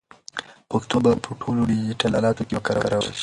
پښتو به په ټولو ډیجیټلي الاتو کې وکارول شي.